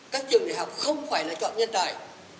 các trường đại học không phải là chọn nhân tài